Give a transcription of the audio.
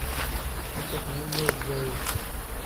Sḥassfeɣ imi ur ddiɣ yid-s.